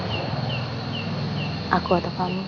itu kok nggak ada apa multiply